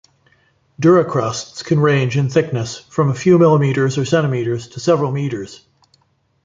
Duricrusts can range in thickness from a few millimeters or centimeters to several meters.